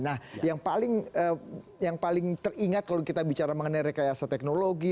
nah yang paling teringat kalau kita bicara mengenai rekayasa teknologi